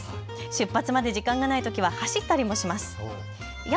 出発まで時間がないときは走ったりもします。